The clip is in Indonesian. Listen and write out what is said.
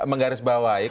menggaris bawah ya